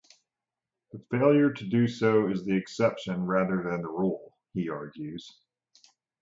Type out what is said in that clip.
The failure to do so is the exception rather than the rule, he argues.